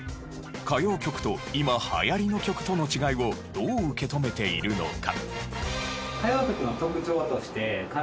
歌謡曲と今流行りの曲との違いをどう受け止めているのか？